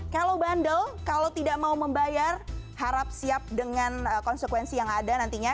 kalau bandel kalau tidak mau membayar harap siap dengan konsekuensi yang ada nantinya